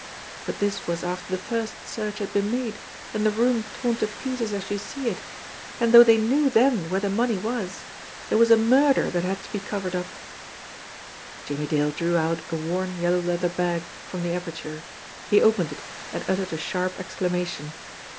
But this was after the first search had been made and the room torn to pieces as you see it, and though they knew then where the money was, there was a murder that had to be covered up. Jimmie Dale drew out a worn yellow leather bag from the aperture. He opened it, and uttered a sharp exclamation.